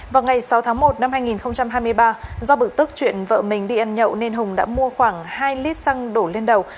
vào ngày sáu tháng một năm hai nghìn hai mươi ba do bực tức chuyển vợ mình đi ăn nhậu nên hùng đã mua khoảng hai lít xăng đổ lên đầu